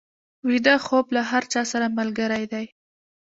ویده خوب له هر چا سره ملګری دی